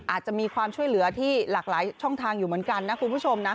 อาจจะมีความช่วยเหลือที่หลากหลายช่องทางอยู่เหมือนกันนะคุณผู้ชมนะ